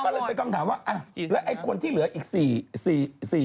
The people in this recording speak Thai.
เข้ากลัวเลยเป็นคำถามว่าไอ้คนที่เหลืออีก๔ใบ